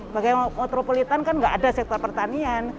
bagaimana metropolitan kan nggak ada sektor pertanian